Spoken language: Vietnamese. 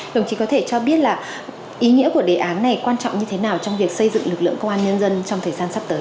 đồng chí có thể cho biết là ý nghĩa của đề án này quan trọng như thế nào trong việc xây dựng lực lượng công an nhân dân trong thời gian sắp tới